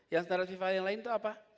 yang standar fifa yang lain itu apa